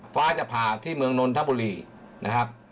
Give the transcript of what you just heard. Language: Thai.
ฟ้าจะผ่าที่เมืองนนทบุรีนะครับ